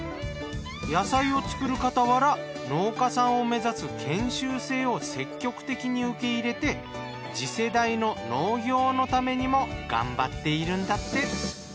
野菜を作るかたわら農家さんを目指す研修生を積極的に受け入れて次世代の農業のためにも頑張っているんだって。